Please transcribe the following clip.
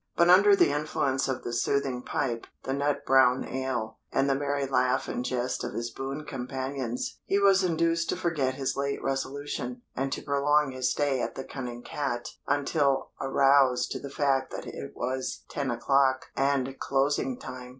But under the influence of the soothing pipe, the nut brown ale, and the merry laugh and jest of his boon companions, he was induced to forget his late resolution, and to prolong his stay at the "Cunning Cat" until aroused to the fact that it was ten o'clock and closing time.